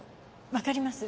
分かります。